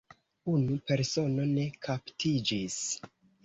Unu persono ne kaptiĝis.